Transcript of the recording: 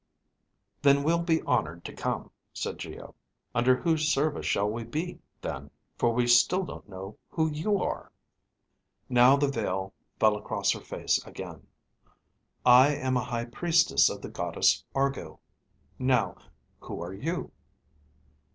"Then we'll be honored to come," said Geo. "Under whose service shall we be, then, for we still don't know who you are?" Now the veil fell across her face again. "I am a high priestess of the Goddess Argo. Now, who are you?"